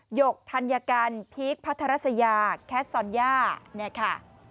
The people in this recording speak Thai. หกธัญกันพีคพัทรัสยาแคสซอนย่าเนี่ยค่ะ